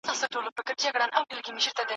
څوک بايد پخپل ايمان کي شکمن نه وي